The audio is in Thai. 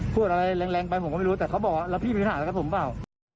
พูดอะไรแรงไปผมก็ไม่รู้แต่เขาบอกว่าแล้วพี่ผิดห่างแล้วครับผมหรือเปล่า